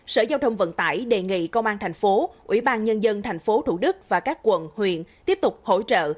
sở giao thông vận tải đề nghị công an thành phố ủy ban nhân dân tp thủ đức và các quận huyện tiếp tục hỗ trợ